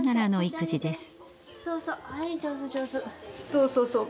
そうそうそう。